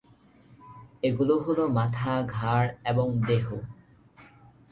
এগুলো হলো মাথা, ঘাড় এবং দেহ।